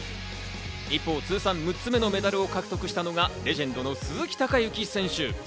一方、通算６つ目のメダルを獲得したのがレジェンドの鈴木孝幸選手。